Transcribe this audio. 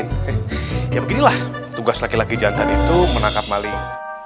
tidak tugas laki laki jantan itu menangkap maling